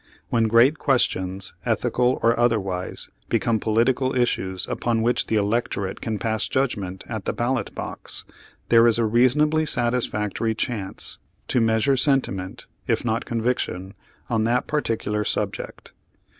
When great questions, ethical or other wise, become political issues upon which the elec torate can pass judgment at the ballot box, there is a reasonably satisfactory chance to measure sentiment, if not conviction, on that particular subject.